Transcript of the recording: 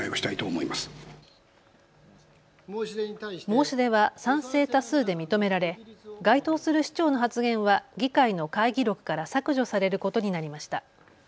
申し出は賛成多数で認められ該当する市長の発言は議会の会議録から削除されることになりました。